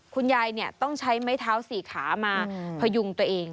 คุณยายต้องใช้ไม้เท้าสี่ขามาพยุงตัวเอง